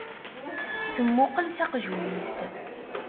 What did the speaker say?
Temmuqqel s aqjun-is.